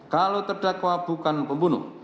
kalau terdakwa bukan pembunuh